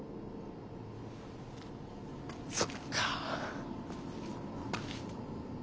そっか。